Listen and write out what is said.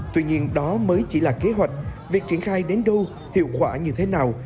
tuy nhiên đó mới chỉ là kế hoạch việc triển khai đến đâu hiệu quả như thế nào